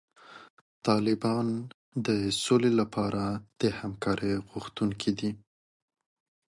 طالبان د سولې لپاره د همکارۍ غوښتونکي دي.